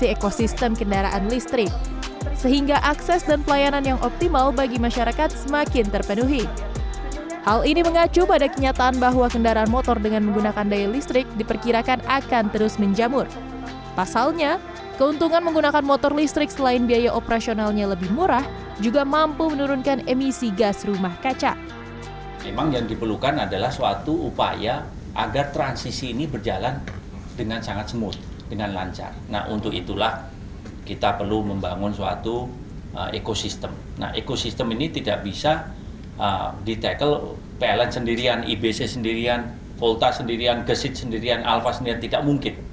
ekosistem ini tidak bisa ditanggung pln sendirian ibc sendirian volta sendirian gesit sendirian alfa sendirian tidak mungkin